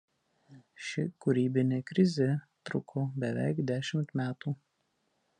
Ši kūrybinė krizė truko beveik dešimt metų.